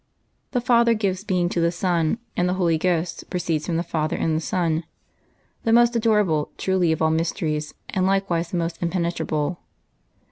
The Father gives being to the Son, and the Holy Ghost proceeds from the Father and the Son: the most adorable, truly, of all mysteries, and like wise the most impenetrable!